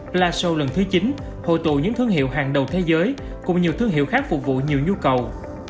pla show lần thứ chín hội tụ những thương hiệu hàng đầu thế giới cùng nhiều thương hiệu khác phục vụ nhiều nhu cầu